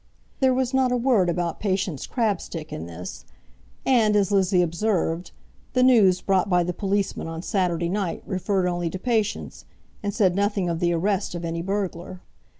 There was not a word about Patience Crabstick in this; and, as Lizzie observed, the news brought by the policeman on Saturday night referred only to Patience, and said nothing of the arrest of any burglar.